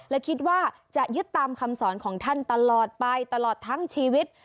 และคิดว่าจะยึดตามคำสอนของท่านตลอดไปตลอดทั้งชีวิต